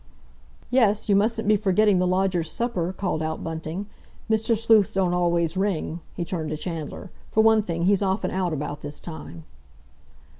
"Yes, you mustn't be forgetting the lodger's supper," called out Bunting. "Mr. Sleuth don't always ring—" he turned to Chandler. "For one thing, he's often out about this time."